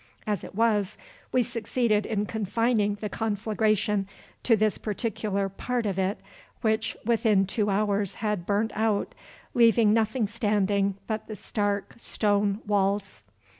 As it was, we succeeded in confining the conflagration to this particular part of it, which within two hours had burnt out, leaving nothing standing but the stark, stone walls.